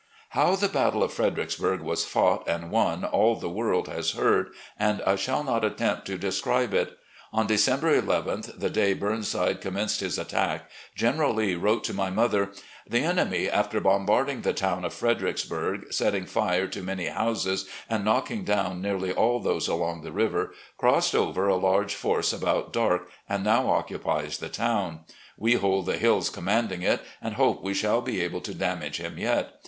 How the battle of Fredericksburg was fought and won all the world has heard, and I shall not attempt to describe it. On December nth, the day Burnside commenced his attack. General Lee wrote to my mother: "... The enemy, after bombarding the town of Fredericksburg, setting fire to many houses and knocking down nearly all those along the river, crossed over a large force about dark, and now occupies the town. We hold the hills commanding it, and hope we shall be able to damage him yet.